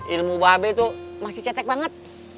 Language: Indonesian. ilmu mba be tuh masih cetek banget